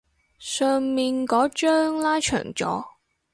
上面嗰張拉長咗